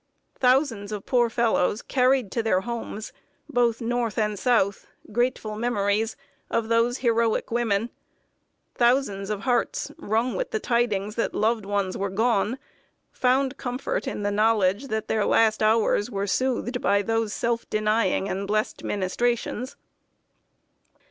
Thousands of poor fellows carried to their homes, both North and South, grateful memories of those heroic women; thousands of hearts, wrung with the tidings that loved ones were gone, found comfort in the knowledge that their last hours were soothed by those self denying and blessed ministrations.